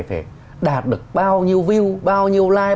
phải đạt được bao nhiêu view bao nhiêu like